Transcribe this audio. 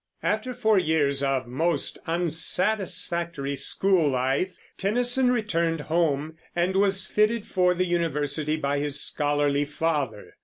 After four years of most unsatisfactory school life, Tennyson returned home, and was fitted for the university by his scholarly father.